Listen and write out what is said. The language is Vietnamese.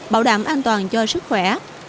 bảo đảm an toàn cho sức khỏe